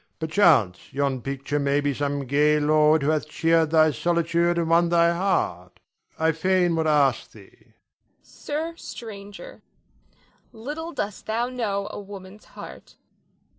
Perchance yon picture may be some gay lord who hath cheered thy solitude and won thy heart. I fain would ask thee. Nina. Sir stranger, little dost thou know a woman's heart.